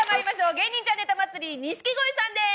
『芸人ちゃんネタ祭り』錦鯉さんです。